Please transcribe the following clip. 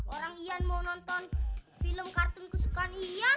orang ian mau nonton film kartun kesukaan iya